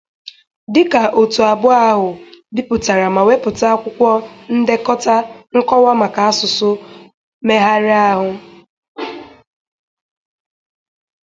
dịka òtù abụọ ahụ bipụtara ma wepụta akwụkwọ ndekọta nkọwa maka asụsụ mmegharịahụ.